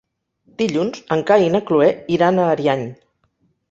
Dilluns en Cai i na Cloè iran a Ariany.